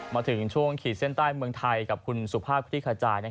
มาถึงช่วงขีดเส้นใต้เมืองไทยกับคุณสุภาพคลิกขจาย